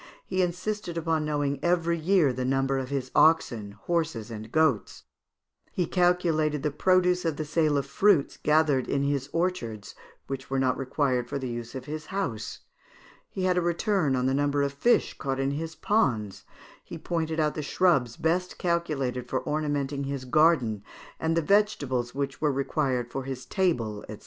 He insisted upon knowing every year the number of his oxen, horses, and goats; he calculated the produce of the sale of fruits gathered in his orchards, which were not required for the use of his house; he had a return of the number of fish caught in his ponds; he pointed out the shrubs best calculated for ornamenting his garden, and the vegetables which were required for his table, &c.